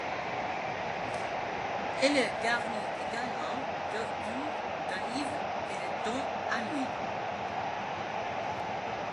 Elle est garnie généralement d'œufs durs, d'olives et de thon à l'huile.